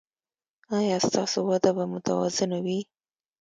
ایا ستاسو وده به متوازنه وي؟